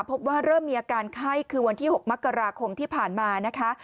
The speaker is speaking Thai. พบว่าเริ่มมีอาการไข้คือวันที่๖มกราคมที่ผ่านมานะคะ